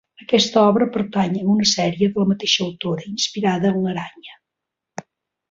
Aquesta obra pertany a una sèrie de la mateixa autora, inspirada en l’aranya.